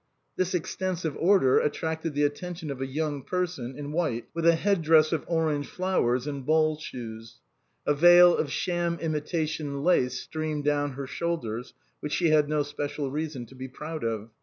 This extensive order attracted the attention of a young person in white with a head dress of orange flowers and ball shoes ; a veil of sham imitation lace streamed down her shoulders, which she had no special reason to be proud of.